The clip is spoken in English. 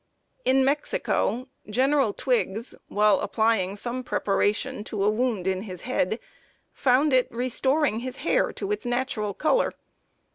In Mexico, General Twiggs, while applying some preparation to a wound in his head, found it restoring his hair to its natural color.